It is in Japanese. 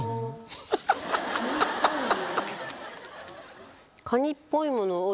はっカニっぽいものを